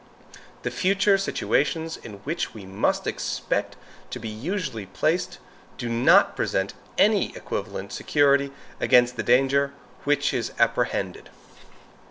The future situations in which we must expect to be usually placed, do not present any equivalent security against the danger which is apprehended.